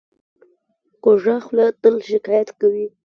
کوږه خوله تل شکایت کوي